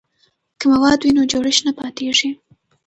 که مواد وي نو جوړښت نه پاتیږي.